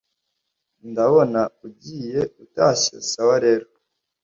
ndabona ugiye utashye sawa rero